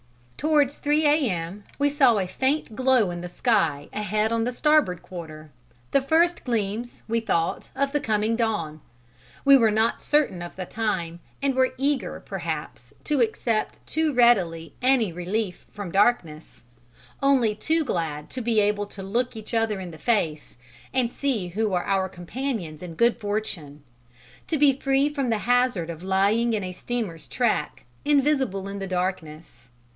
Towards 3 A.M. we saw a faint glow in the sky ahead on the starboard quarter, the first gleams, we thought, of the coming dawn. We were not certain of the time and were eager perhaps to accept too readily any relief from darkness only too glad to be able to look each other in the face and see who were our companions in good fortune; to be free from the hazard of lying in a steamer's track, invisible in the darkness.